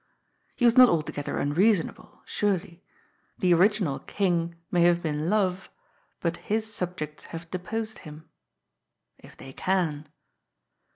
He was not al together unreasonable, surely. The original King may have been Love, but his subjects have deposed him. If they can.